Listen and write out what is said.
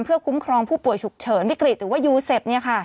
เพื่อคุ้มครองผู้ป่วยฉุกเฉินวิกฤตหรือว่ายูเซฟ